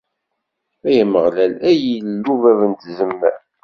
Ay Ameɣlal, ay Illu bab n tzemmar.